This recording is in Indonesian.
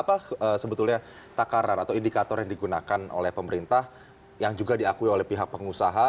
apa sebetulnya takaran atau indikator yang digunakan oleh pemerintah yang juga diakui oleh pihak pengusaha